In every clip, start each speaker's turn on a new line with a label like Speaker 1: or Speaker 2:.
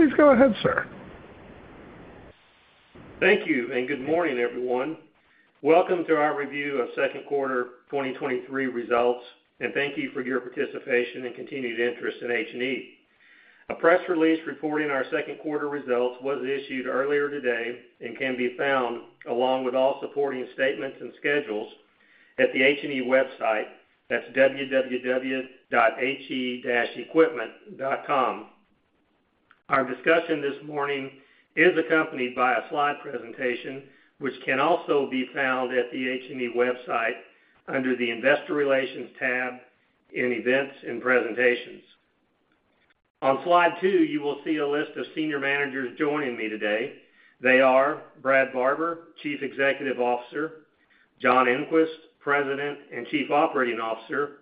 Speaker 1: Please go ahead, sir.
Speaker 2: Thank you. Good morning, everyone. Welcome to our review of second quarter 2023 results, and thank you for your participation and continued interest in H&E. A press release reporting our second quarter results was issued earlier today and can be found, along with all supporting statements and schedules, at the H&E website. That's www.he-equipment.com. Our discussion this morning is accompanied by a slide presentation, which can also be found at the H&E website under the Investor Relations tab in Events and Presentations. On slide two, you will see a list of senior managers joining me today. They are Brad Barber, Chief Executive Officer, John Engquist, President and Chief Operating Officer,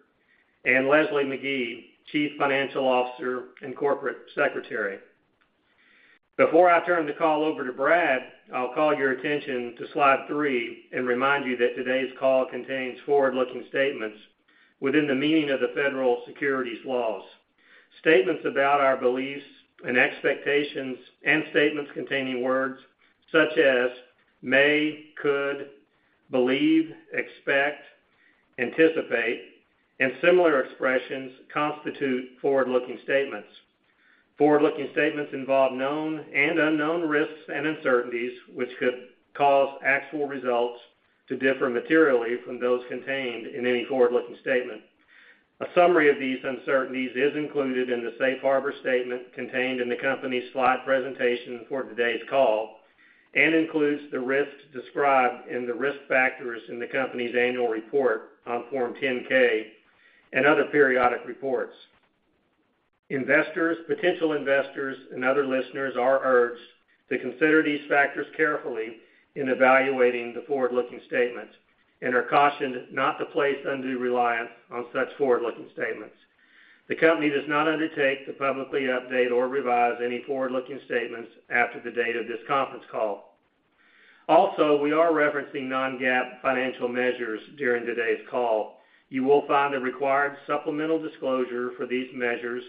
Speaker 2: and Leslie Magee, Chief Financial Officer and Corporate Secretary. Before I turn the call over to Brad, I'll call your attention to slide three and remind you that today's call contains forward-looking statements within the meaning of the federal securities laws. Statements about our beliefs and expectations, statements containing words such as may, could, believe, expect, anticipate, and similar expressions constitute forward-looking statements. Forward-looking statements involve known and unknown risks and uncertainties, which could cause actual results to differ materially from those contained in any forward-looking statement. A summary of these uncertainties is included in the safe harbor statement contained in the company's slide presentation for today's call, includes the risks described in the risk factors in the company's annual report on Form 10-K and other periodic reports. Investors, potential investors, and other listeners are urged to consider these factors carefully in evaluating the forward-looking statements and are cautioned not to place undue reliance on such forward-looking statements. The company does not undertake to publicly update or revise any forward-looking statements after the date of this conference call. Also, we are referencing non-GAAP financial measures during today's call. You will find the required supplemental disclosure for these measures,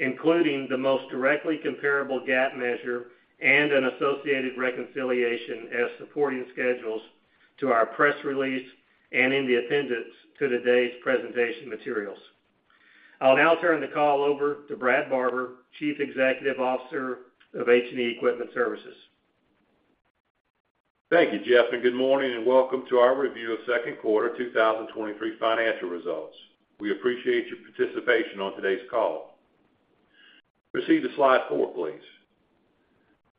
Speaker 2: including the most directly comparable GAAP measure and an associated reconciliation as supporting schedules to our press release and in the appendix to today's presentation materials. I'll now turn the call over to Brad Barber, Chief Executive Officer of H&E Equipment Services.
Speaker 3: Thank you, Jeff, and good morning, and welcome to our review of second quarter 2023 financial results. We appreciate your participation on today's call. Proceed to slide four, please.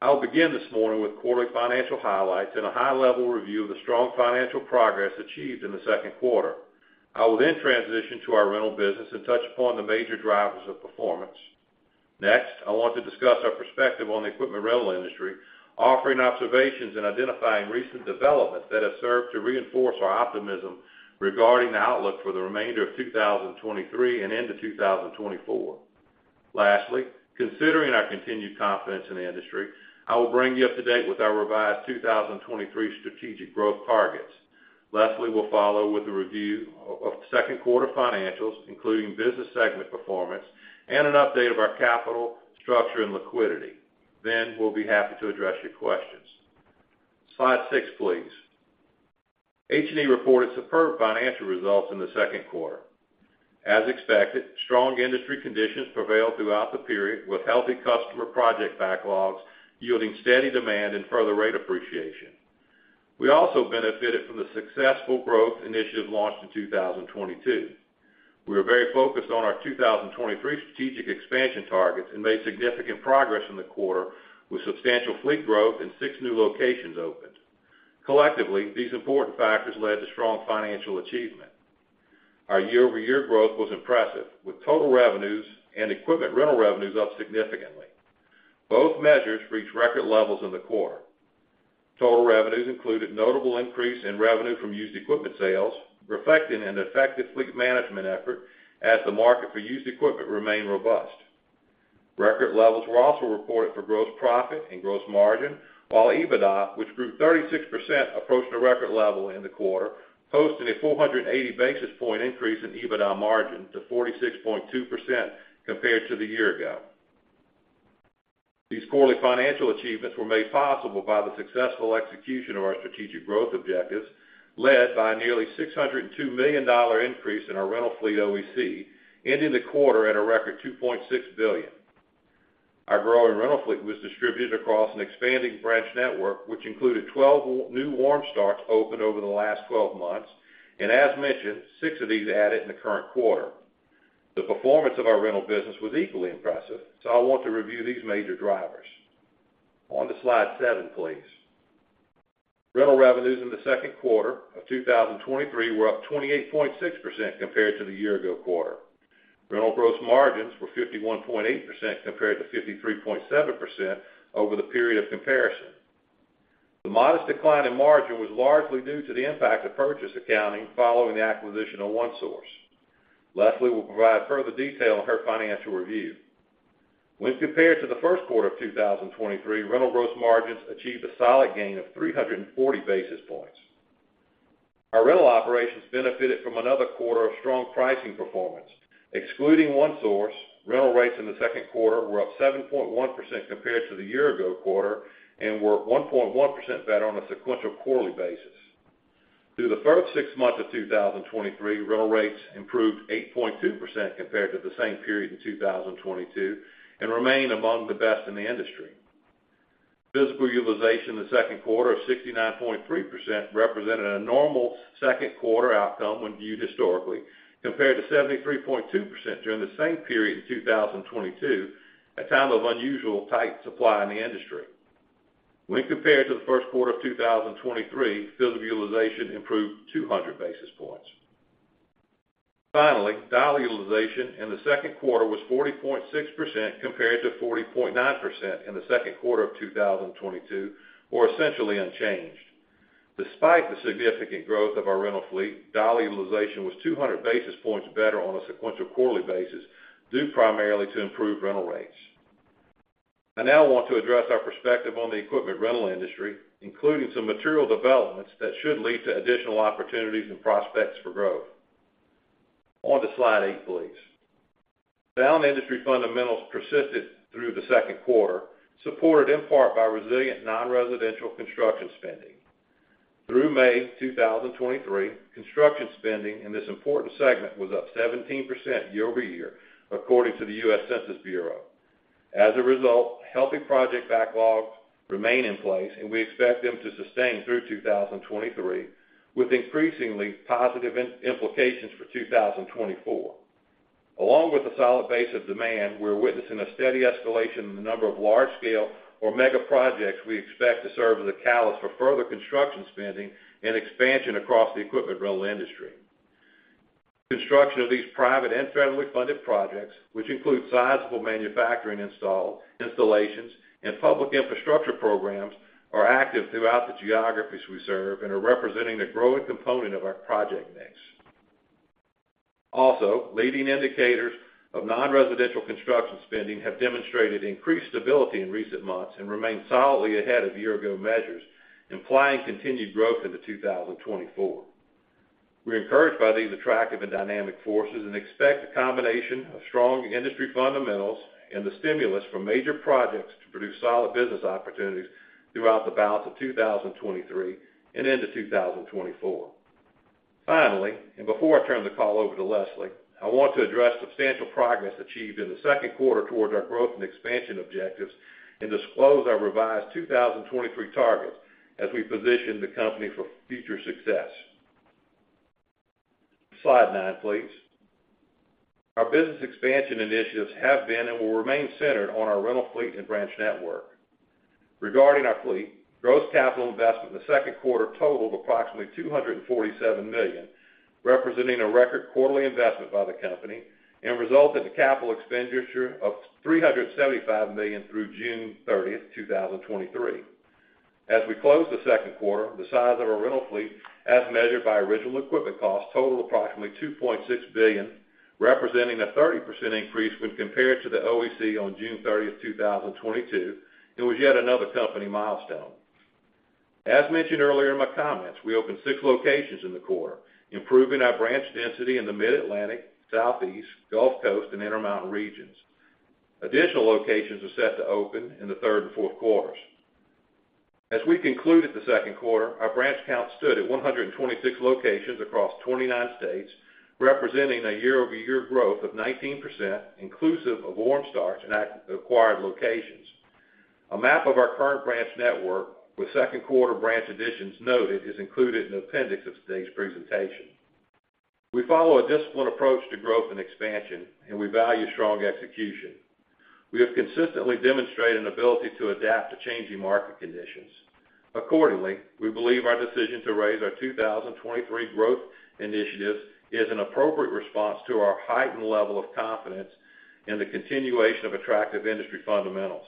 Speaker 3: I'll begin this morning with quarterly financial highlights and a high-level review of the strong financial progress achieved in the second quarter. I will transition to our rental business and touch upon the major drivers of performance. Next, I want to discuss our perspective on the equipment rental industry, offering observations and identifying recent developments that have served to reinforce our optimism regarding the outlook for the remainder of 2023 and into 2024. Lastly, considering our continued confidence in the industry, I will bring you up to date with our revised 2023 strategic growth targets. Leslie will follow with a review of the second quarter financials, including business segment performance and an update of our capital structure and liquidity. We'll be happy to address your questions. Slide six, please. H&E reported superb financial results in the second quarter. As expected, strong industry conditions prevailed throughout the period, with healthy customer project backlogs yielding steady demand and further rate appreciation. We also benefited from the successful growth initiative launched in 2022. We are very focused on our 2023 strategic expansion targets and made significant progress in the quarter with substantial fleet growth and six new locations opened. Collectively, these important factors led to strong financial achievement. Our year-over-year growth was impressive, with total revenues and equipment rental revenues up significantly. Both measures reached record levels in the quarter. Total revenues included notable increase in revenue from used equipment sales, reflecting an effective fleet management effort as the market for used equipment remained robust. Record levels were also reported for gross profit and gross margin, while EBITDA, which grew 36%, approached a record level in the quarter, posting a 480 basis point increase in EBITDA margin to 46.2% compared to the year ago. These quarterly financial achievements were made possible by the successful execution of our strategic growth objectives, led by a nearly $602 million increase in our rental fleet OEC, ending the quarter at a record $2.6 billion. Our growing rental fleet was distributed across an expanding branch network, which included 12 new warm starts opened over the last 12 months, and as mentioned, six of these added in the current quarter. The performance of our rental business was equally impressive. I want to review these major drivers. On to slide seven, please. Rental revenues in the second quarter of 2023 were up 28.6% compared to the year ago quarter. Rental gross margins were 51.8% compared to 53.7% over the period of comparison. The modest decline in margin was largely due to the impact of purchase accounting following the acquisition One Source. leslie will provide further detail in her financial review. When compared to the first quarter of 2023, rental gross margins achieved a solid gain of 340 basis points. Our rental operations benefited from another quarter of strong pricing performance. Excluding One Source, rental rates in the second quarter were up 7.1% compared to the year ago quarter, and were 1.1% better on a sequential quarterly basis. Through the first six months of 2023, rental rates improved 8.2% compared to the same period in 2022, and remain among the best in the industry. Physical utilization in the second quarter of 69.3% represented a normal second quarter outcome when viewed historically, compared to 73.2% during the same period in 2022, a time of unusual tight supply in the industry. When compared to the first quarter of 2023, physical utilization improved 200 basis points. Dial utilization in the second quarter was 40.6%, compared to 40.9% in the second quarter of 2022, or essentially unchanged. Despite the significant growth of our rental fleet, dial utilization was 200 basis points better on a sequential quarterly basis, due primarily to improved rental rates. I now want to address our perspective on the equipment rental industry, including some material developments that should lead to additional opportunities and prospects for growth. Slide eight, please. Sound industry fundamentals persisted through the second quarter, supported in part by resilient non-residential construction spending. Through May 2023, construction spending in this important segment was up 17% year-over-year, according to the U.S. Census Bureau. As a result, healthy project backlogs remain in place, and we expect them to sustain through 2023, with increasingly positive implications for 2024. Along with a solid base of demand, we're witnessing a steady escalation in the number of large-scale or mega projects we expect to serve as a catalyst for further construction spending and expansion across the equipment rental industry. Construction of these private and federally funded projects, which include sizable manufacturing installations and public infrastructure programs, are active throughout the geographies we serve and are representing a growing component of our project mix. Also, leading indicators of non-residential construction spending have demonstrated increased stability in recent months and remain solidly ahead of year ago measures, implying continued growth into 2024. We're encouraged by these attractive and dynamic forces and expect a combination of strong industry fundamentals and the stimulus from major projects to produce solid business opportunities throughout the balance of 2023 and into 2024. Finally, and before I turn the call over to Leslie, I want to address substantial progress achieved in the second quarter towards our growth and expansion objectives and disclose our revised 2023 targets as we position the company for future success. Slide nine, please. Our business expansion initiatives have been and will remain centered on our rental fleet and branch network. Regarding our fleet, gross capital investment in the second quarter totaled approximately $247 million, representing a record quarterly investment by the company and resulted in capital expenditure of $375 million through June 30th, 2023. As we closed the second quarter, the size of our rental fleet, as measured by original equipment costs, totaled approximately $2.6 billion, representing a 30% increase when compared to the OEC on June 30th, 2022, and was yet another company milestone. As mentioned earlier in my comments, we opened 6 locations in the quarter, improving our branch density in the Mid-Atlantic, Southeast, Gulf Coast, and Intermountain regions. Additional locations are set to open in the third and fourth quarters. As we concluded the second quarter, our branch count stood at 126 locations across 29 states, representing a year-over-year growth of 19%, inclusive of warm start and acquired locations. A map of our current branch network, with second quarter branch additions noted, is included in the appendix of today's presentation. We follow a disciplined approach to growth and expansion, and we value strong execution. We have consistently demonstrated an ability to adapt to changing market conditions. Accordingly, we believe our decision to raise our 2023 growth initiatives is an appropriate response to our heightened level of confidence and the continuation of attractive industry fundamentals.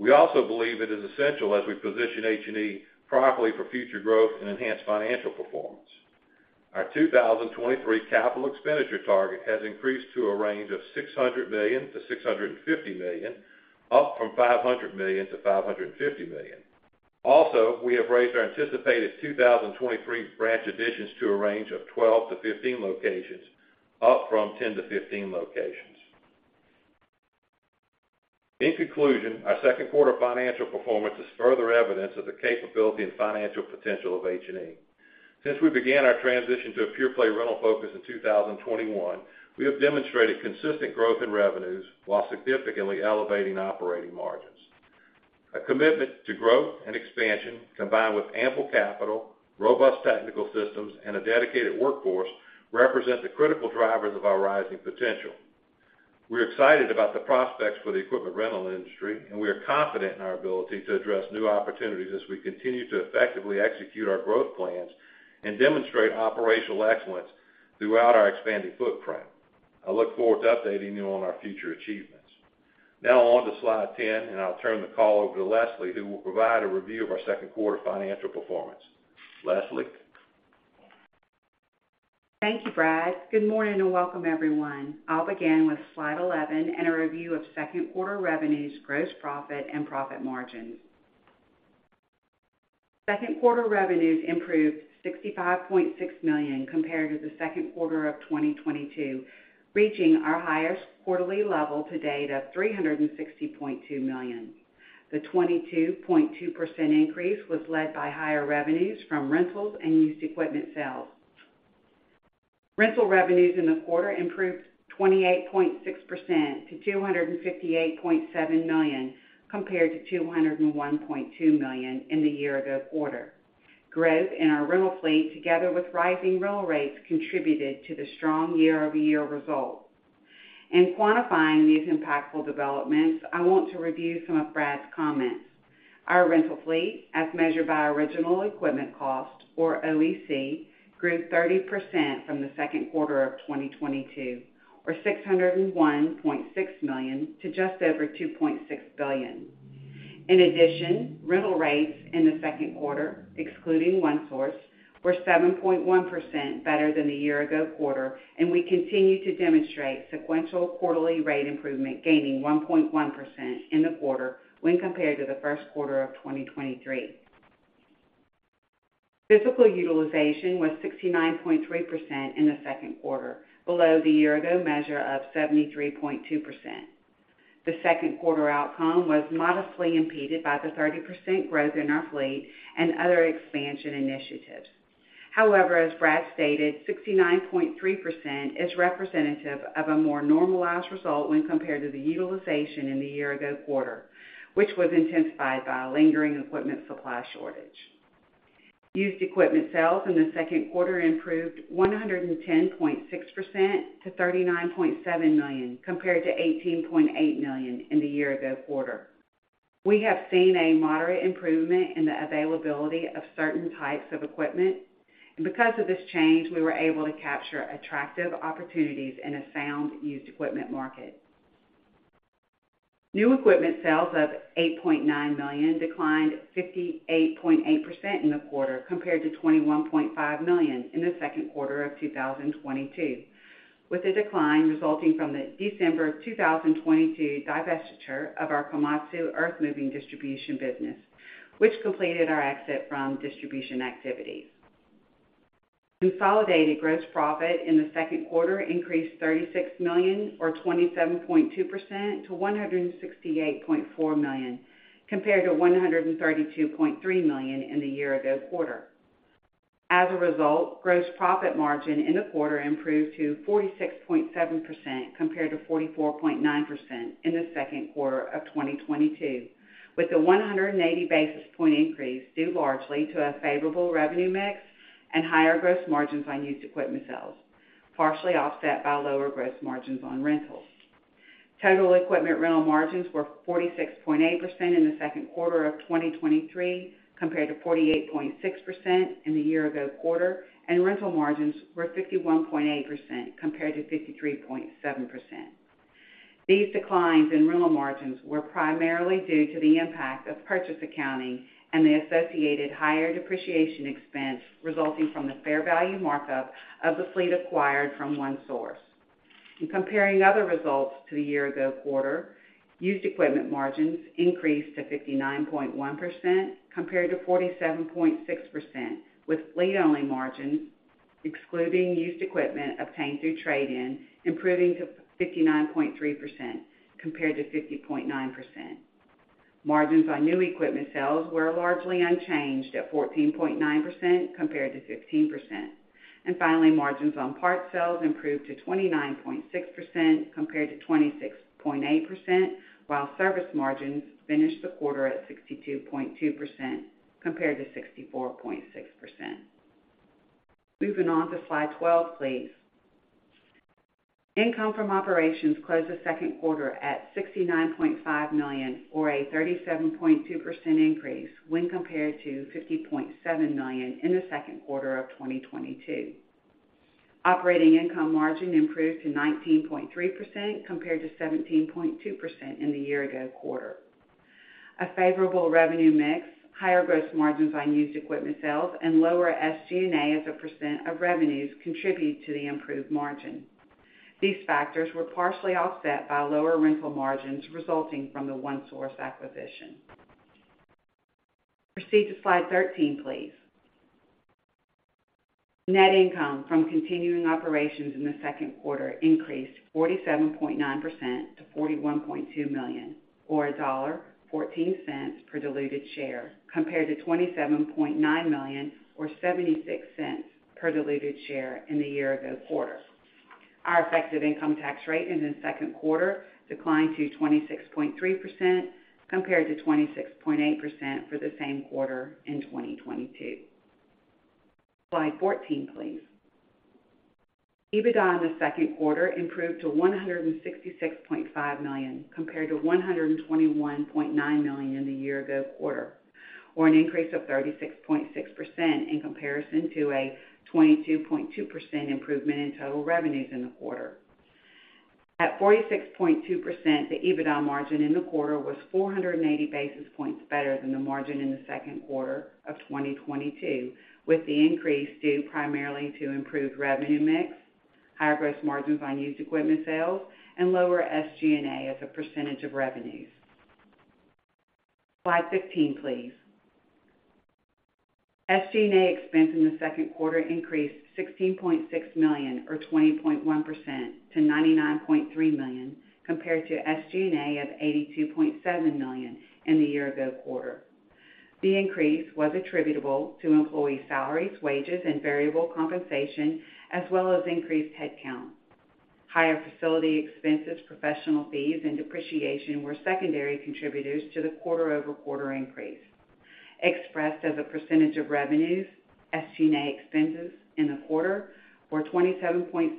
Speaker 3: We also believe it is essential as we position H&E properly for future growth and enhanced financial performance. Our 2023 capital expenditure target has increased to a range of $600 million-$650 million, up from $500 million-$550 million. Also, we have raised our anticipated 2023 branch additions to a range of 12-15 locations, up from 10-15 locations. In conclusion, our second quarter financial performance is further evidence of the capability and financial potential of H&E. Since we began our transition to a pure-play rental focus in 2021, we have demonstrated consistent growth in revenues while significantly elevating operating margins. A commitment to growth and expansion, combined with ample capital, robust technical systems, and a dedicated workforce, represent the critical drivers of our rising potential. We're excited about the prospects for the equipment rental industry, and we are confident in our ability to address new opportunities as we continue to effectively execute our growth plans and demonstrate operational excellence throughout our expanding footprint. I look forward to updating you on our future achievements. Now on to slide 10, and I'll turn the call over to Leslie, who will provide a review of our second quarter financial performance. Leslie?
Speaker 4: Thank you, Brad. Good morning, and welcome, everyone. I'll begin with Slide 11 and a review of second quarter revenues, gross profit and profit margins. Second quarter revenues improved $65.6 million compared to the second quarter of 2022, reaching our highest quarterly level to date of $360.2 million. The 22.2% increase was led by higher revenues from rentals and used equipment sales. Rental revenues in the quarter improved 28.6% to $258.7 million, compared to $201.2 million in the year-ago quarter. Growth in our rental fleet, together with rising rental rates, contributed to the strong year-over-year result. In quantifying these impactful developments, I want to review some of Brad's comments. Our rental fleet, as measured by original equipment cost, or OEC, grew 30% from the second quarter of 2022, or $601.6 million to just over $2.6 billion. Rental rates in the second quarter, One Source, were 7.1% better than the year-ago quarter, and we continue to demonstrate sequential quarterly rate improvement, gaining 1.1% in the quarter when compared to the first quarter of 2023. Physical utilization was 69.3% in the second quarter, below the year-ago measure of 73.2%. The second quarter outcome was modestly impeded by the 30% growth in our fleet and other expansion initiatives. As Brad stated, 69.3% is representative of a more normalized result when compared to the utilization in the year-ago quarter, which was intensified by a lingering equipment supply shortage. Used equipment sales in the second quarter improved 110.6% to $39.7 million, compared to $18.8 million in the year-ago quarter. We have seen a moderate improvement in the availability of certain types of equipment, and because of this change, we were able to capture attractive opportunities in a sound used equipment market. New equipment sales of $8.9 million declined 58.8% in the quarter, compared to $21.5 million in the second quarter of 2022, with the decline resulting from the December of 2022 divestiture of our Komatsu earthmoving distribution business, which completed our exit from distribution activities. Consolidated gross profit in the second quarter increased $36 million, or 27.2%, to $168.4 million, compared to $132.3 million in the year-ago quarter. As a result, gross profit margin in the quarter improved to 46.7%, compared to 44.9% in the second quarter of 2022, with a 180 basis point increase due largely to a favorable revenue mix and higher gross margins on used equipment sales, partially offset by lower gross margins on rentals. Total equipment rental margins were 46.8% in the second quarter of 2023, compared to 48.6% in the year-ago quarter, and rental margins were 51.8%, compared to 53.7%. These declines in rental margins were primarily due to the impact of purchase accounting and the associated higher depreciation expense resulting from the fair value markup of the fleet acquired from One Source. In comparing other results to the year-ago quarter, used equipment margins increased to 59.1%, compared to 47.6%, with fleet-only margins, excluding used equipment obtained through trade-in, improving to 59.3% compared to 50.9%. Margins on new equipment sales were largely unchanged at 14.9%, compared to 15%. Finally, margins on parts sales improved to 29.6% compared to 26.8%, while service margins finished the quarter at 62.2%, compared to 64.6%. Moving on to slide 12, please. Income from operations closed the second quarter at $69.5 million, or a 37.2% increase when compared to $50.7 million in the second quarter of 2022. Operating income margin improved to 19.3%, compared to 17.2% in the year-ago quarter. A favorable revenue mix, higher gross margins on used equipment sales, and lower SG&A as a percent of revenues contributed to the improved margin. These factors were partially offset by lower rental margins resulting from One Source acquisition. Proceed to slide 13, please. Net income from continuing operations in the second quarter increased 47.9% to $41.2 million, or $1.14 per diluted share, compared to $27.9 million, or $0.76 per diluted share in the year-ago quarter. Our effective income tax rate in the second quarter declined to 26.3%, compared to 26.8% for the same quarter in 2022. Slide 14, please. EBITDA in the second quarter improved to $166.5 million, compared to $121.9 million in the year-ago quarter, or an increase of 36.6% in comparison to a 22.2% improvement in total revenues in the quarter. At 46.2%, the EBITDA margin in the quarter was 480 basis points better than the margin in the second quarter of 2022, with the increase due primarily to improved revenue mix, higher gross margins on used equipment sales, and lower SG&A as a percentage of revenues. Slide 15, please. SG&A expense in the second quarter increased $16.6 million, or 20.1%, to $99.3 million, compared to SG&A of $82.7 million in the year-ago quarter. The increase was attributable to employee salaries, wages, and variable compensation, as well as increased headcount. Higher facility expenses, professional fees, and depreciation were secondary contributors to the quarter-over-quarter increase. Expressed as a percentage of revenues, SG&A expenses in the quarter were 27.6%,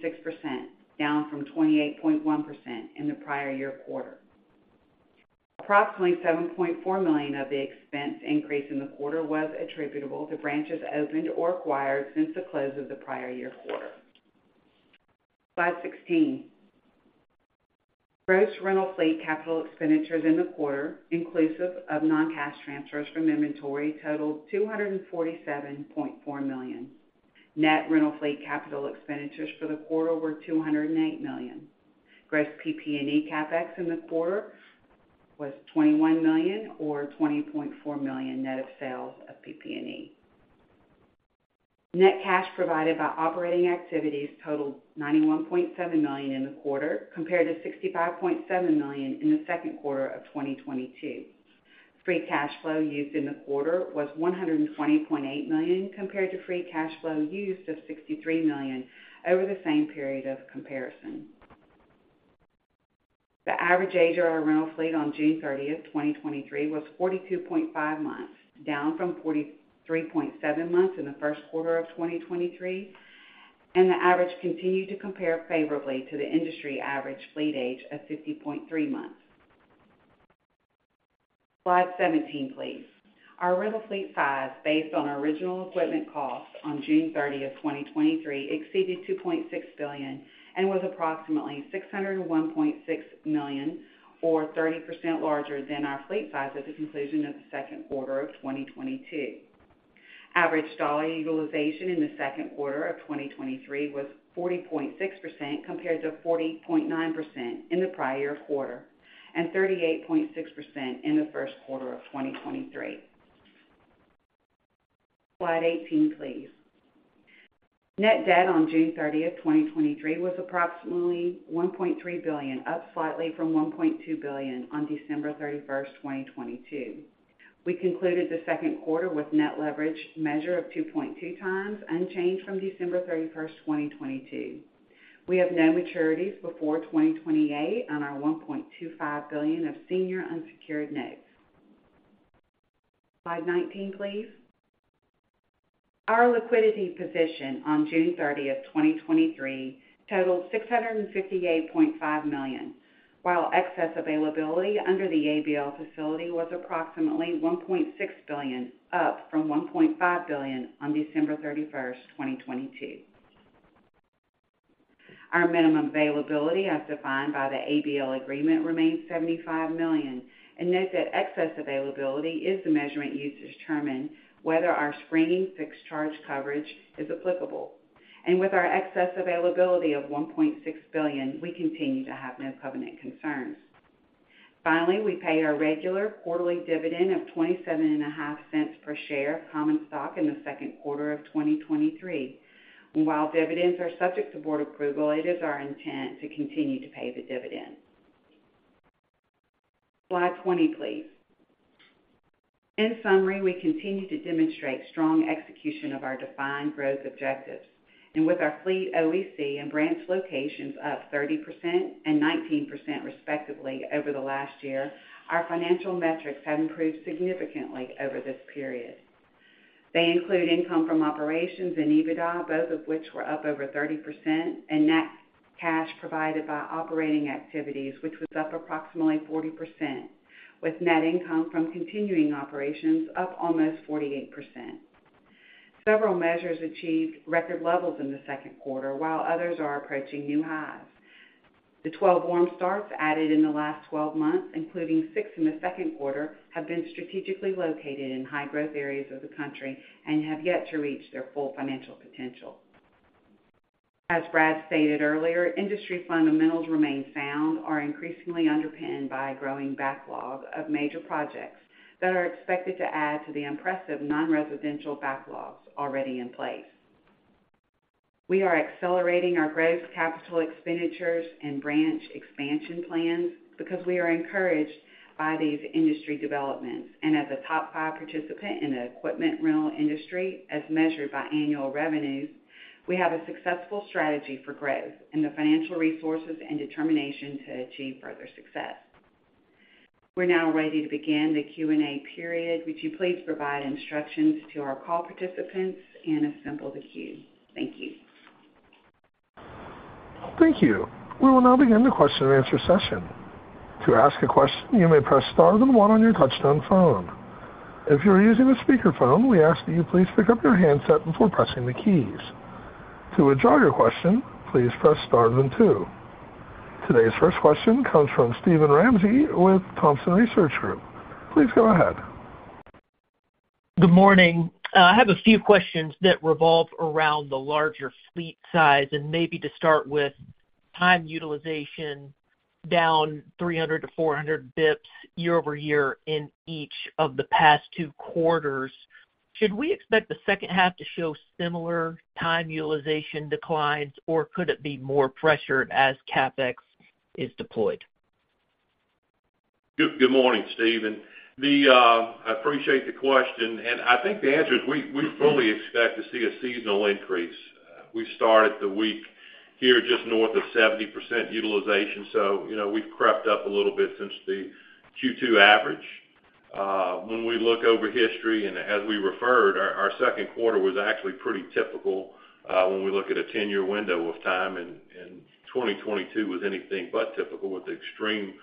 Speaker 4: down from 28.1% in the prior year quarter. Approximately $7.4 million of the expense increase in the quarter was attributable to branches opened or acquired since the close of the prior year quarter. Slide 16. Gross rental fleet capital expenditures in the quarter, inclusive of non-cash transfers from inventory, totaled $247.4 million. Net rental fleet capital expenditures for the quarter were $208 million. Gross PP&E CapEx in the quarter was $21 million, or $20.4 million net of sales of PP&E. Net cash provided by operating activities totaled $91.7 million in the quarter, compared to $65.7 million in the second quarter of 2022. Free cash flow used in the quarter was $120.8 million, compared to free cash flow used of $63 million over the same period of comparison. The average age of our rental fleet on June 30th, 2023, was 42.5 months, down from 43.7 months in the first quarter of 2023, and the average continued to compare favorably to the industry average fleet age of 50.3 months. Slide 17, please. Our rental fleet size, based on original equipment cost on June 30th, 2023, exceeded $2.6 billion and was approximately $601.6 million, or 30% larger than our fleet size at the conclusion of the second quarter of 2022. Average dollar utilization in the second quarter of 2023 was 40.6%, compared to 40.9% in the prior quarter, and 38.6% in the first quarter of 2023. Slide 18, please. Net debt on June 30th, 2023, was approximately $1.3 billion, up slightly from $1.2 billion on December 31st, 2022. We concluded the second quarter with net leverage measure of 2.2x unchanged from December 31st, 2022. We have no maturities before 2028 on our $1.25 billion of senior unsecured notes. Slide 19, please. Our liquidity position on June 30th, 2023, totaled $658.5 million, while excess availability under the ABL facility was approximately $1.6 billion, up from $1.5 billion on December 31st, 2022. Our minimum availability, as defined by the ABL agreement, remains $75 million. Note that excess availability is the measurement used to determine whether our springing fixed charge coverage is applicable. With our excess availability of $1.6 billion, we continue to have no covenant concerns. Finally, we paid our regular quarterly dividend of $0.275 per share of common stock in the second quarter of 2023. While dividends are subject to board approval, it is our intent to continue to pay the dividend. Slide 20, please. In summary, we continue to demonstrate strong execution of our defined growth objectives. With our fleet OEC and branch locations up 30% and 19%, respectively, over the last year, our financial metrics have improved significantly over this period. They include income from operations and EBITDA, both of which were up over 30%, and net cash provided by operating activities, which was up approximately 40%, with net income from continuing operations up almost 48%. Several measures achieved record levels in the second quarter, while others are approaching new highs. The 12 warm starts added in the last 12 months, including 6 in the second quarter, have been strategically located in high-growth areas of the country and have yet to reach their full financial potential. As Brad stated earlier, industry fundamentals remain sound, are increasingly underpinned by a growing backlog of major projects that are expected to add to the impressive non-residential backlogs already in place. We are accelerating our growth, capital expenditures, and branch expansion plans because we are encouraged by these industry developments. As a top five participant in the equipment rental industry, as measured by annual revenues, we have a successful strategy for growth and the financial resources and determination to achieve further success. We're now ready to begin the Q&A period. Would you please provide instructions to our call participants and assemble the queue? Thank you.
Speaker 1: Thank you. We will now begin the question and answer session. To ask a question, you may press star then one on your touchtone phone. If you're using a speakerphone, we ask that you please pick up your handset before pressing the keys. To withdraw your question, please press star then two. Today's first question comes from Steven Ramsey with Thompson Research Group. Please go ahead.
Speaker 5: Good morning. I have a few questions that revolve around the larger fleet size, and maybe to start with, time utilization down 300 to 400 basis points year-over-year in each of the past two quarters. Should we expect the second half to show similar time utilization declines, or could it be more pressured as CapEx is deployed?
Speaker 3: Good morning, Steven. I appreciate the question, and I think the answer is we fully expect to see a seasonal increase. We started the week here just north of 70% utilization, you know, we've crept up a little bit since the Q2 average. When we look over history, and as we referred, our second quarter was actually pretty typical when we look at a 10-year window of time, and 2022 was anything but typical with the extreme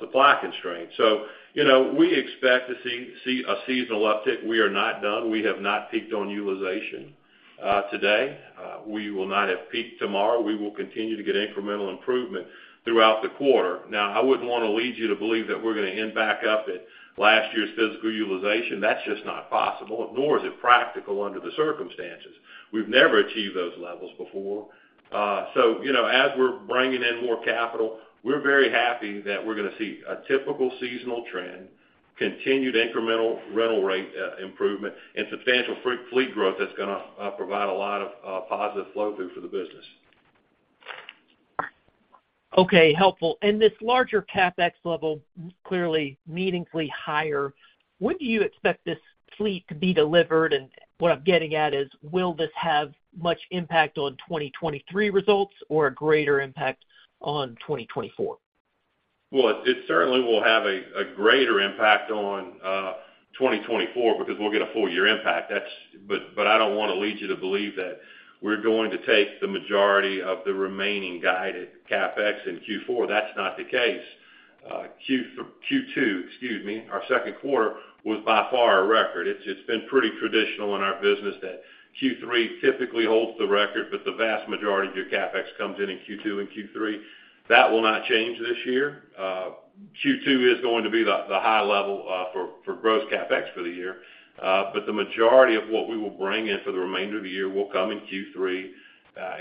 Speaker 3: supply constraints. You know, we expect to see a seasonal uptick. We are not done. We have not peaked on utilization today. We will not have peaked tomorrow. We will continue to get incremental improvement throughout the quarter. Now, I wouldn't want to lead you to believe that we're going to end back up at last year's physical utilization. That's just not possible, nor is it practical under the circumstances. We've never achieved those levels before. You know, as we're bringing in more capital, we're very happy that we're going to see a typical seasonal trend, continued incremental rental rate improvement, and substantial fleet growth that's gonna provide a lot of positive flow through for the business.
Speaker 5: Okay, helpful. This larger CapEx level, clearly meaningfully higher. When do you expect this fleet to be delivered? What I'm getting at is, will this have much impact on 2023 results or a greater impact on 2024?
Speaker 3: It certainly will have a greater impact on 2024 because we'll get a full year impact. I don't want to lead you to believe that we're going to take the majority of the remaining guided CapEx in Q4, that's not the case. Q2, excuse me, our second quarter was by far a record. It's been pretty traditional in our business that Q3 typically holds the record, the vast majority of your CapEx comes in in Q2 and Q3. That will not change this year. Q2 is going to be the high level for gross CapEx for the year, the majority of what we will bring in for the remainder of the year will come in Q3,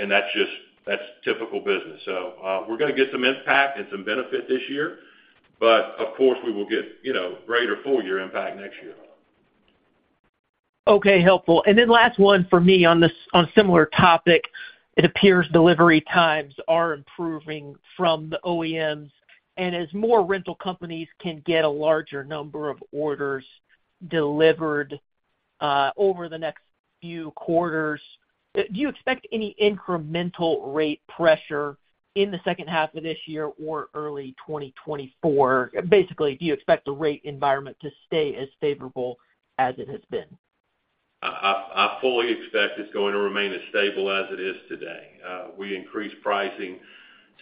Speaker 3: that's just, that's typical business. We're going to get some impact and some benefit this year, but of course, we will get, you know, greater full year impact next year.
Speaker 5: Okay, helpful. Last one for me on this, on a similar topic. It appears delivery times are improving from the OEMs, and as more rental companies can get a larger number of orders delivered, over the next few quarters, do you expect any incremental rate pressure in the second half of this year or early 2024? Basically, do you expect the rate environment to stay as favorable as it has been?
Speaker 3: I fully expect it's going to remain as stable as it is today. We increased pricing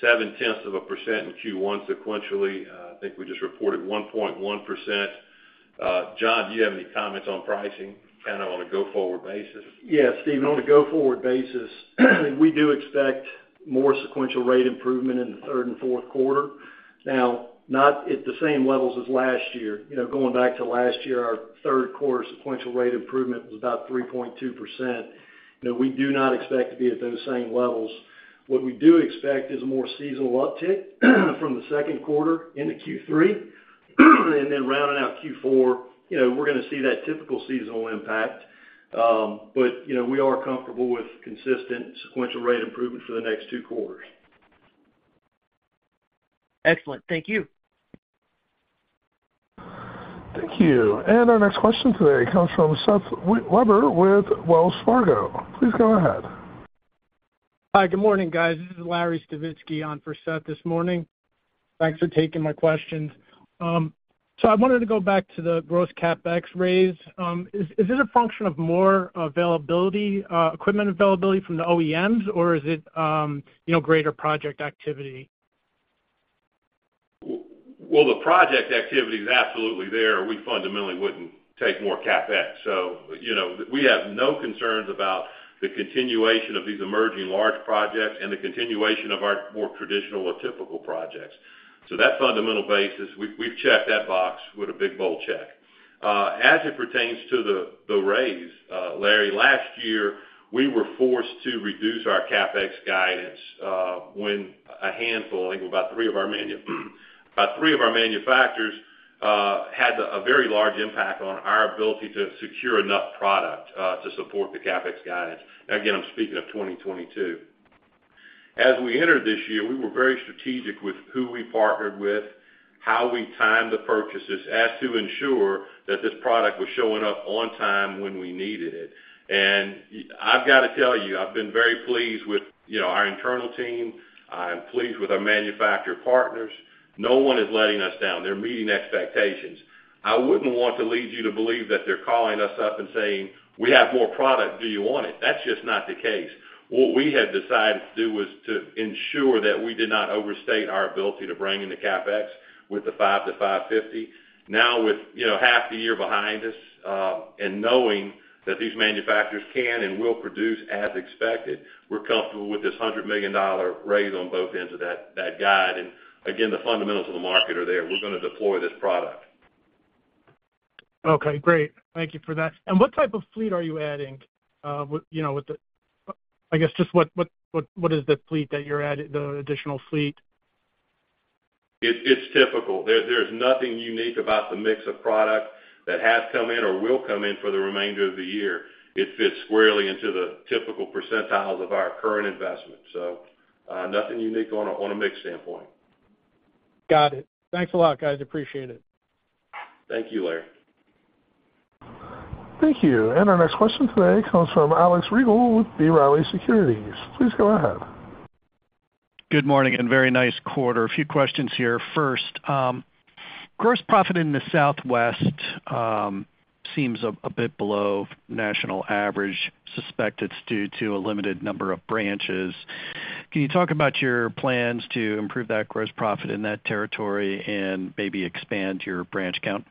Speaker 3: 0.7% in Q1 sequentially. I think we just reported 1.1%. John, do you have any comments on pricing, kind of on a go-forward basis?
Speaker 6: Yes, Steven, on a go-forward basis, we do expect more sequential rate improvement in the third and fourth quarter. Not at the same levels as last year. You know, going back to last year, our third quarter sequential rate improvement was about 3.2%. You know, we do not expect to be at those same levels. What we do expect is a more seasonal uptick from the second quarter into Q3. Rounding out Q4, you know, we're going to see that typical seasonal impact. You know, we are comfortable with consistent sequential rate improvement for the next two quarters.
Speaker 5: Excellent. Thank you.
Speaker 1: Thank you. Our next question today comes from Seth Weber with Wells Fargo. Please go ahead.
Speaker 7: Hi, good morning, guys. This is Larry Stavitski on for Seth this morning. Thanks for taking my questions. I wanted to go back to the gross CapEx raise. Is it a function of more availability, equipment availability from the OEMs, or is it, you know, greater project activity?
Speaker 3: Well, the project activity is absolutely there, or we fundamentally wouldn't take more CapEx. You know, we have no concerns about the continuation of these emerging large projects and the continuation of our more traditional or typical projects. That fundamental basis, we've checked that box with a big, bold check. As it pertains to the raise, Larry, last year, we were forced to reduce our CapEx guidance when a handful, I think about three of our manufacturers had a very large impact on our ability to secure enough product to support the CapEx guidance. Again, I'm speaking of 2022. As we entered this year, we were very strategic with who we partnered with, how we timed the purchases, as to ensure that this product was showing up on time when we needed it. I've got to tell you, I've been very pleased with, you know, our internal team. I am pleased with our manufacturer partners. No one is letting us down. They're meeting expectations. I wouldn't want to lead you to believe that they're calling us up and saying: We have more product. Do you want it? That's just not the case. What we had decided to do was to ensure that we did not overstate our ability to bring in the CapEx with the $5 to $550. Now, with, you know, half the year behind us, and knowing that these manufacturers can and will produce as expected, we're comfortable with this $100 million raise on both ends of that guide. Again, the fundamentals of the market are there. We're going to deploy this product.
Speaker 7: Okay, great. Thank you for that. What type of fleet are you adding? with, you know, with the, I guess, just what is the fleet that you're adding, the additional fleet?
Speaker 3: It's typical. There's nothing unique about the mix of product that has come in or will come in for the remainder of the year. It fits squarely into the typical percentiles of our current investment. Nothing unique on a mix standpoint.
Speaker 7: Got it. Thanks a lot, guys. Appreciate it.
Speaker 3: Thank you, Larry.
Speaker 1: Thank you. Our next question today comes from Alex Riegel with B. Riley Securities. Please go ahead.
Speaker 8: Good morning. Very nice quarter. A few questions here. First, gross profit in the Southwest seems a bit below national average. Suspect it's due to a limited number of branches. Can you talk about your plans to improve that gross profit in that territory and maybe expand your branch count?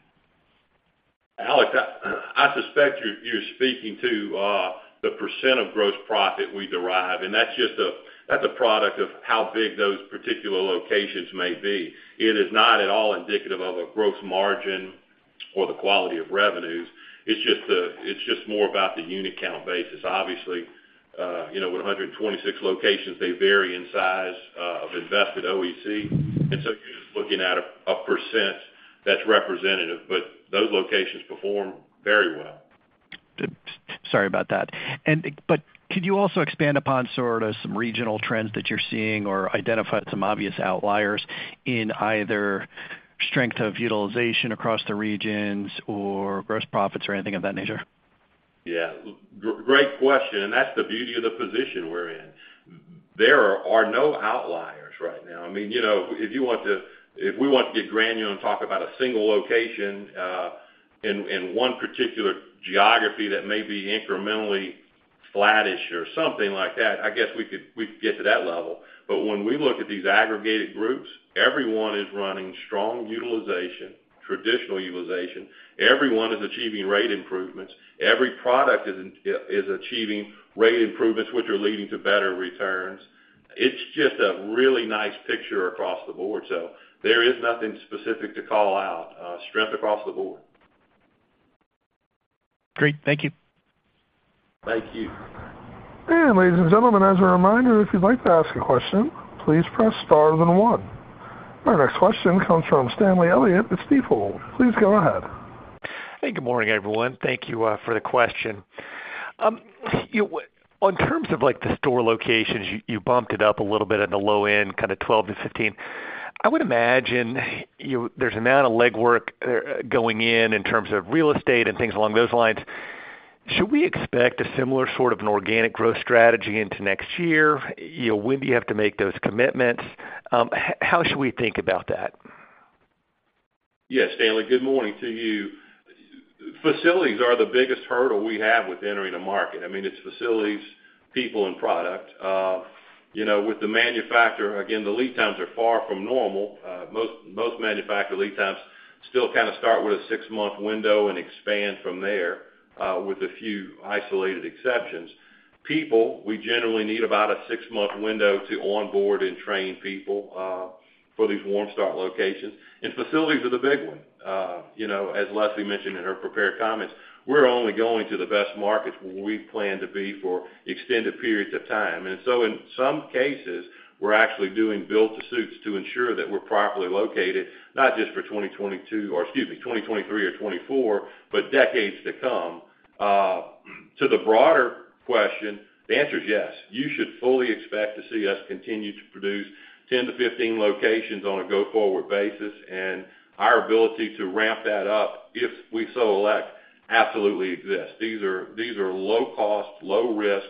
Speaker 3: Alex, I suspect you're speaking to the % of gross profit we derive. That's just a product of how big those particular locations may be. It is not at all indicative of a gross margin or the quality of revenues. It's just more about the unit count basis. Obviously, you know, with 126 locations, they vary in size of invested OEC, so you're just looking at a percent that's representative, but those locations perform very well.
Speaker 8: Sorry about that. Could you also expand upon sort of some regional trends that you're seeing or identify some obvious outliers in either strength of utilization across the regions or gross profits or anything of that nature?
Speaker 3: Great question, and that's the beauty of the position we're in. There are no outliers right now. I mean, you know, if we want to get granular and talk about a single location, in, in one particular geography that may be incrementally flattish or something like that, I guess we could, we could get to that level. When we look at these aggregated groups, everyone is running strong utilization, traditional utilization. Everyone is achieving rate improvements. Every product is achieving rate improvements, which are leading to better returns. It's just a really nice picture across the board. There is nothing specific to call out, strength across the board.
Speaker 8: Great. Thank you.
Speaker 3: Thank you.
Speaker 1: Ladies and gentlemen, as a reminder, if you'd like to ask a question, please press Star then 1. Our next question comes from Stanley Elliott with Stifel. Please go ahead.
Speaker 9: Hey, good morning, everyone. Thank Thank you for the question. On terms of like the store locations, you bumped it up a little bit on the low end, kind of 12 to 15. I would imagine there's an amount of legwork going in, in terms of real estate and things along those lines. Should we expect a similar sort of an organic growth strategy into next year? You know, when do you have to make those commitments? How should we think about that?
Speaker 3: Yes, Stanley, good morning to you. Facilities are the biggest hurdle we have with entering a market. I mean, it's facilities, people, and product. you know, with the manufacturer, again, the lead times are far from normal. most manufacturer lead times still kind of start with a 6-month window and expand from there, with a few isolated exceptions. People, we generally need about a 6-month window to onboard and train people, for these warm start locations, and facilities are the big one. you know, as Leslie mentioned in her prepared comments, we're only going to the best markets where we plan to be for extended periods of time. In some cases, we're actually doing build to suits to ensure that we're properly located, not just for 2022, or excuse me, 2023 or 2024, but decades to come. To the broader question, the answer is yes. You should fully expect to see us continue to produce 10-15 locations on a go-forward basis. Our ability to ramp that up, if we so elect, absolutely exists. These are, these are low cost, low risk,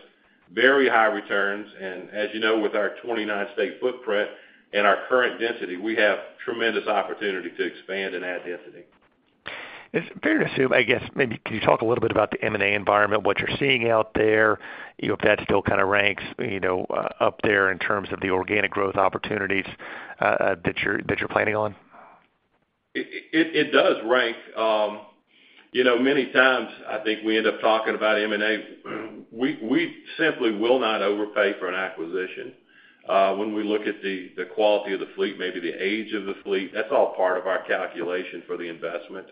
Speaker 3: very high returns. As you know, with our 29 state footprint and our current density, we have tremendous opportunity to expand and add density.
Speaker 9: It's fair to assume, I guess, maybe can you talk a little bit about the M&A environment, what you're seeing out there? You know, if that still kind of ranks, you know, up there in terms of the organic growth opportunities, that you're planning on.
Speaker 3: It does rank. You know, many times I think we end up talking about M&A. We simply will not overpay for an acquisition. When we look at the quality of the fleet, maybe the age of the fleet, that's all part of our calculation for the investment.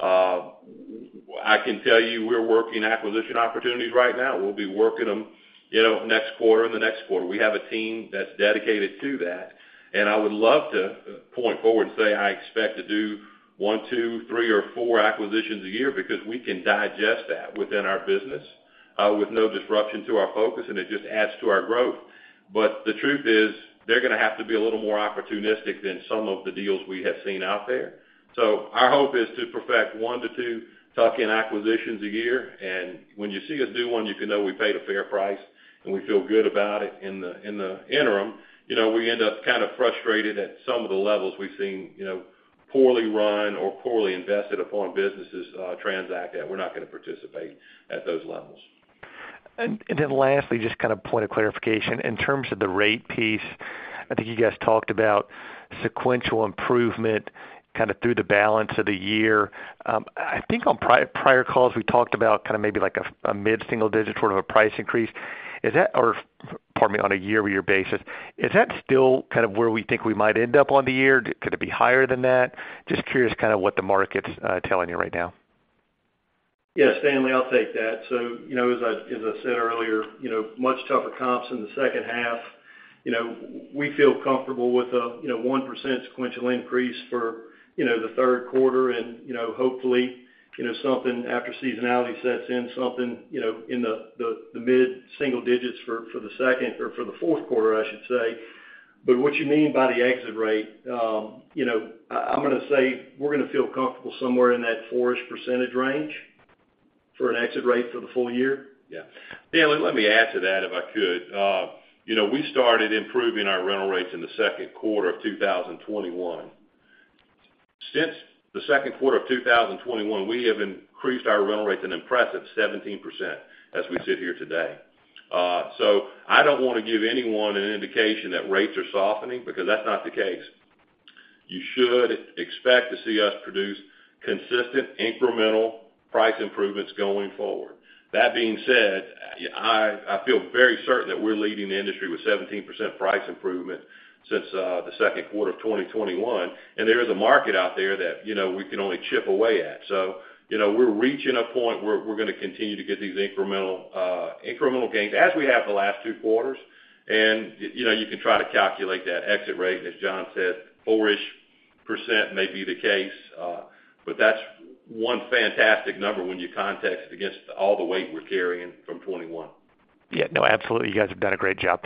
Speaker 3: I can tell you we're working acquisition opportunities right now. We'll be working them, you know, next quarter and the next quarter. We have a team that's dedicated to that, and I would love to point forward and say, I expect to do one, two, three, or four acquisitions a year because we can digest that within our business, with no disruption to our focus, and it just adds to our growth. The truth is, they're gonna have to be a little more opportunistic than some of the deals we have seen out there. Our hope is to perfect one to two tuck-in acquisitions a year, and when you see us do one, you can know we paid a fair price, and we feel good about it in the interim. You know, we end up kind of frustrated at some of the levels we've seen, you know, poorly run or poorly invested upon businesses transact at. We're not gonna participate at those levels.
Speaker 9: Lastly, just kind of point of clarification. In terms of the rate piece, I think you guys talked about sequential improvement kind of through the balance of the year. I think on prior calls, we talked about kind of maybe like a mid-single digit sort of a price increase. Is that or, pardon me, on a year-over-year basis, is that still kind of where we think we might end up on the year? Could it be higher than that? Just curious kind of what the market's telling you right now.
Speaker 6: Yes, Stanley, I'll take that. You know, as I said earlier, you know, much tougher comps in the second half. You know, we feel comfortable with a, you know, 1% sequential increase for, you know, the third quarter, and, you know, hopefully, you know, something after seasonality sets in, something, you know, in the mid-single digits for the second or for the fourth quarter, I should say. What you mean by the exit rate, you know, I'm gonna say we're gonna feel comfortable somewhere in that 4-ish% range for an exit rate for the full year.
Speaker 3: Yeah. Let me add to that, if I could. You know, we started improving our rental rates in the second quarter of 2021. Since the second quarter of 2021, we have increased our rental rates an impressive 17% as we sit here today. I don't wanna give anyone an indication that rates are softening, because that's not the case. You should expect to see us produce consistent incremental price improvements going forward. That being said, I feel very certain that we're leading the industry with 17% price improvement since the second quarter of 2021, and there is a market out there that, you know, we can only chip away at. You know, we're reaching a point where we're gonna continue to get these incremental, incremental gains as we have the last two quarters. You know, you can try to calculate that exit rate, and as John said, 4-ish% may be the case, but that's one fantastic number when you context against all the weight we're carrying from 2021.
Speaker 9: Yeah. No, absolutely, you guys have done a great job.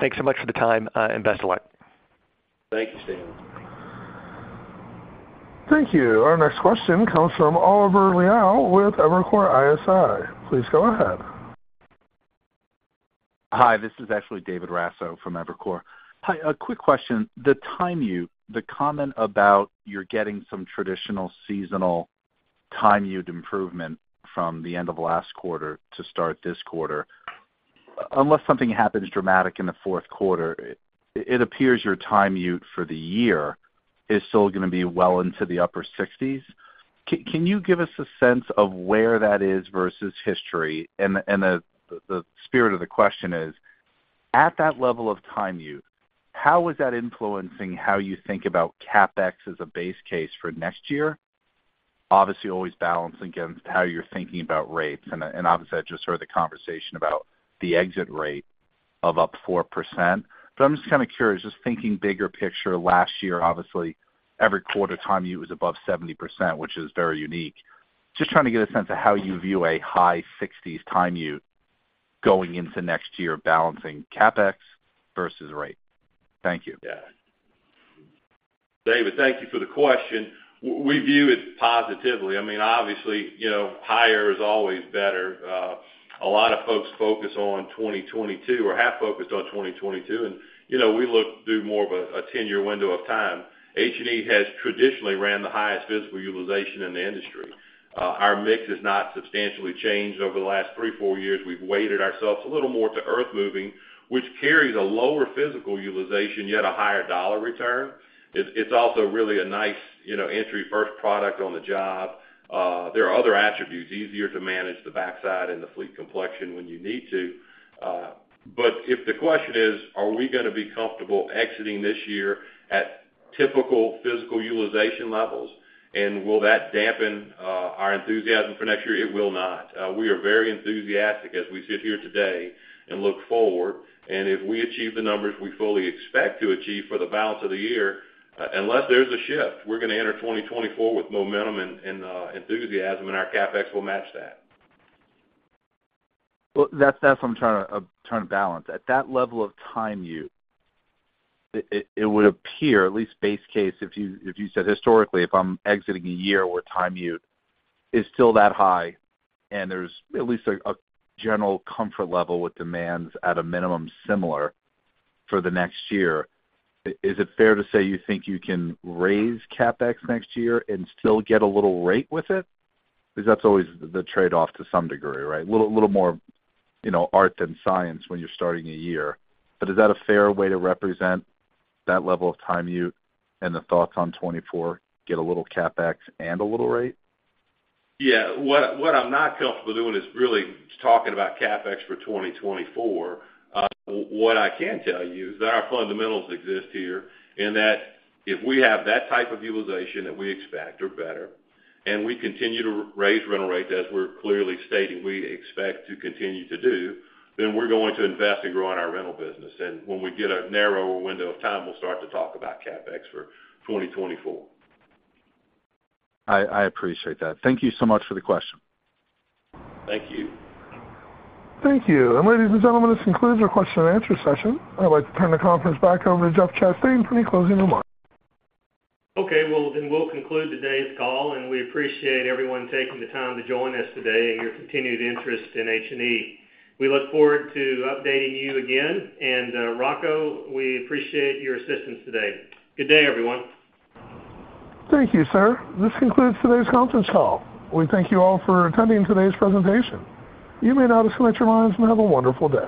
Speaker 9: Thanks so much for the time, and best of luck.
Speaker 3: Thank you, Stanley.
Speaker 1: Thank you. Our next question comes from Oliver Liao with Evercore ISI. Please go ahead.
Speaker 10: Hi, this is actually David Raso from Evercore. Hi, a quick question. The comment about you're getting some traditional seasonal time ute improvement from the end of last quarter to start this quarter, unless something happens dramatic in the fourth quarter, it appears your time ute for the year is still gonna be well into the upper sixties. Can you give us a sense of where that is versus history? The spirit of the question is, at that level of time ute, how is that influencing how you think about CapEx as a base case for next year? Obviously, always balancing against how you're thinking about rates. Obviously, I just heard the conversation about the exit rate of up 4%. I'm just kinda curious, just thinking bigger picture. Last year, obviously, every quarter, time ute was above 70%, which is very unique. Just trying to get a sense of how you view a high 60s time ute going into next year, balancing CapEx versus rate. Thank you.
Speaker 3: Yeah. David, thank you for the question. We view it positively. I mean, obviously, you know, higher is always better. A lot of folks focus on 2022 or have focused on 2022, you know, we look through more of a 10-year window of time. H&E has traditionally ran the highest physical utilization in the industry. Our mix has not substantially changed over the last three, four years. We've weighted ourselves a little more to earthmoving, which carries a lower physical utilization, yet a higher dollar return. It's also really a nice, you know, entry first product on the job. There are other attributes, easier to manage the backside and the fleet complexion when you need to. If the question is, are we gonna be comfortable exiting this year at typical physical utilization levels, and will that dampen our enthusiasm for next year? It will not. We are very enthusiastic as we sit here today and look forward, and if we achieve the numbers we fully expect to achieve for the balance of the year, unless there's a shift, we're gonna enter 2024 with momentum and enthusiasm, and our CapEx will match that.
Speaker 10: Well, that's, that's what I'm trying to trying to balance. At that level of time ute, it would appear, at least base case, if you, if you said historically, if I'm exiting a year where time ute is still that high, and there's at least a general comfort level with demands at a minimum similar for the next year, is it fair to say you think you can raise CapEx next year and still get a little rate with it? That's always the trade-off to some degree, right? A little more, you know, art than science when you're starting a year. Is that a fair way to represent that level of time ute and the thoughts on 2024, get a little CapEx and a little rate?
Speaker 3: Yeah. What I'm not comfortable doing is really talking about CapEx for 2024. What I can tell you is that our fundamentals exist here, and that if we have that type of utilization that we expect or better, and we continue to raise rental rates, as we're clearly stating we expect to continue to do, then we're going to invest and grow in our rental business. When we get a narrower window of time, we'll start to talk about CapEx for 2024.
Speaker 10: I appreciate that. Thank you so much for the question.
Speaker 3: Thank you.
Speaker 1: Thank you. Ladies and gentlemen, this concludes our question and answer session. I'd like to turn the conference back over to Jeff Chastain for any closing remarks.
Speaker 2: Well, we'll conclude today's call. We appreciate everyone taking the time to join us today and your continued interest in H&E. We look forward to updating you again. Rocco, we appreciate your assistance today. Good day, everyone.
Speaker 1: Thank you, sir. This concludes today's conference call. We thank you all for attending today's presentation. You may now disconnect your lines and have a wonderful day.